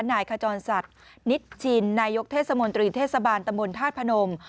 นายขจรสัตว์นิจชินนายกเทศมนตรีเทศบาลตะมนต์ธาตุพนม